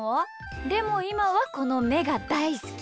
でもいまはこのめがだいすき！